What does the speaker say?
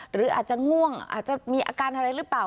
หรืออาจจะง่วงอาจจะมีอาการอะไรหรือเปล่า